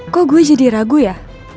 kok gue jadi ragu ya